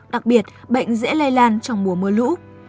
đặc biệt bệnh dễ lây lan trong mùa mưa lũ